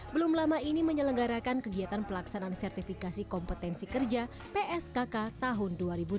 belum lama ini menyelenggarakan kegiatan pelaksanaan sertifikasi kompetensi kerja pskk tahun dua ribu dua puluh